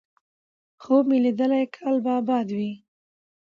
خوب مې ليدلی کال به اباد وي،